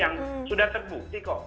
yang sudah terbukti kok